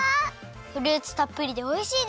フルーツたっぷりでおいしいです！